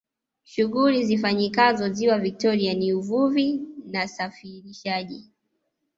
shughuli zifanyikazo ziwa victoria ni uvuvi na safirishaji